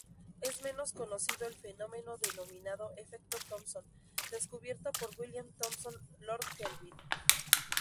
Es menos conocido el fenómeno denominado efecto Thomson, descubierto por William Thomson, lord Kelvin.